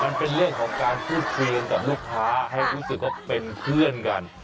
มันเป็นเรื่องของการพูดคุยกันกับลูกค้าให้รู้สึกว่าเป็นเพื่อนกัน